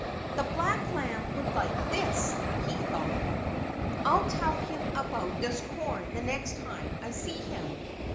"The black lamb would like this," he thought. "I'll tell him about this corn the next time I see him.